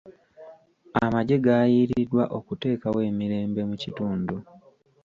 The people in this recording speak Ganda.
Amagye gaayiiriddwa okuteekawo emirembe mu kitundu.